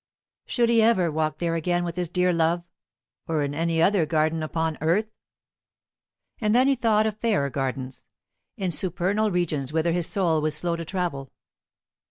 Should he ever walk there again with his dear love, or in any other garden upon earth? And then he thought of fairer gardens, in supernal regions whither his soul was slow to travel.